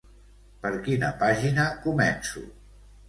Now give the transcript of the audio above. Per quina pàgina començo?